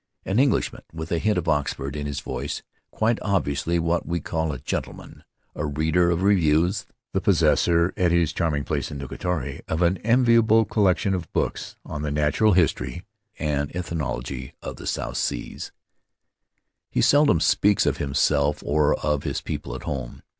An Englishman with a hint of Oxford in his voice — quite obviously what we call a gentleman — a reader of reviews, the possessor (at his charming place on Nukutere) of an enviable collection of books on the natural history and Faery Lands of the South Seas ethnology of the South Seas, he seldom speaks of him self or of his people at home.